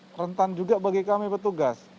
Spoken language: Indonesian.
itu sangat rentan juga bagi kami petugas